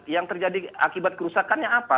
yang terjadi akibat kerusakannya apa